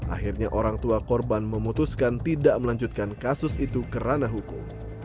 akhirnya orang tua korban memutuskan tidak melanjutkan kasus itu ke ranah hukum